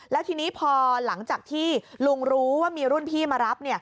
แล้วทีนี้พอหลังจากที่ลุงรู้ว่ามีรุ่นพี่มารับ